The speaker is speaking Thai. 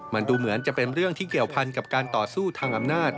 มันดูเหมือนจะเป็นเรื่องที่เกี่ยวพันกับการต่อสู้ทางอำนาจ